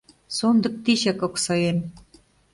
Сондык тичак оксаэм